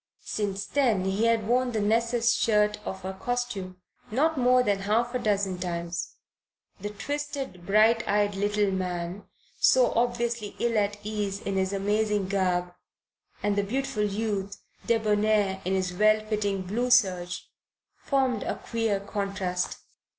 Since then he had worn the Nessus shirt of a costume not more than half a dozen times. The twisted, bright eyed little man, so obviously ill at ease in his amazing garb, and the beautiful youth, debonair in his well fitting blue serge, formed a queer contrast.